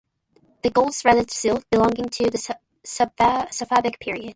The gold-threaded silk belonging to the Safavid period.